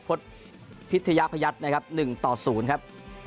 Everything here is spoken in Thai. พลตพิธยพยัตน์นะครับ๑ต่อ๐ครับ